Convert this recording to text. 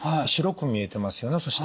白く見えてますよね。